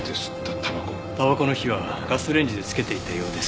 タバコの火はガスレンジでつけていたようです。